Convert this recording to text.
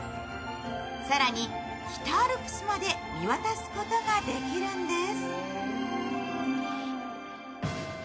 更に北アルプスまで見渡すことができるんです。